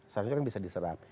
satu satunya bisa diserap